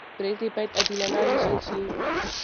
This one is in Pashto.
پرېکړې باید عادلانه وېشل شي